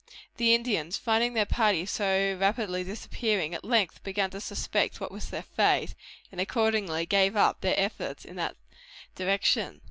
The Indians, finding their party so rapidly disappearing, at length began to suspect what was their fate, and accordingly gave up their efforts in that direction.